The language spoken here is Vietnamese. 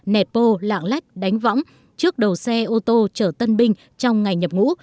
nẹt bô lạng lách đánh võng trước đầu xe ô tô chở tân binh trong ngày nhập ngũ